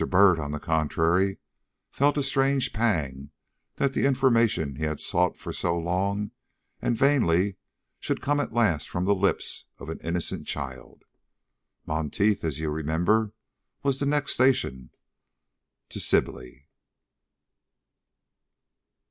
Byrd, on the contrary, felt a strange pang that the information he had sought for so long and vainly should come at last from the lips of an innocent child. Monteith, as you remember, was the next station to Sibley.